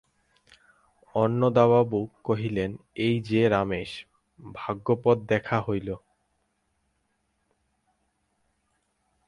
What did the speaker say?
অন্নদাবাবু কহিলেন, এই-যে রমেশ, ভাগ্যে পথে দেখা হইল!